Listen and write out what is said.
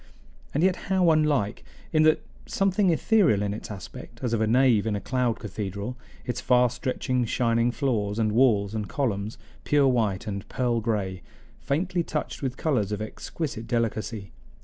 And yet how unlike in that something ethereal in its aspect, as of a nave in a cloud cathedral, its far stretching shining floors and walls and columns, pure white and pearl gray, faintly touched with colors of exquisite delicacy.